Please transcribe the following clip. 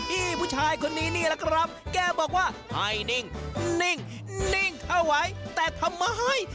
แต่กูพี่ผู้ชายคนนี้แนะก็บอกว่าให้นิ่งนิ่งนนิ่งเนี่ยไม่ไง